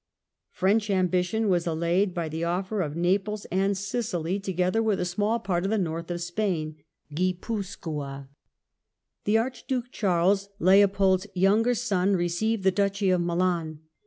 French ambition was allayed by the offer of Naples and Sicily, together with a small part of the north of Spain (Gui puscoa). " The Archduke Charles, Leopold's younger son, received the Duchy of Milan.